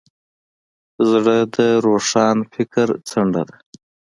زړه د روښان فکر څنډه ده.